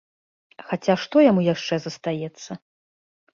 Хаця што яму яшчэ застаецца.